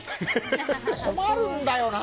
困るんだよな。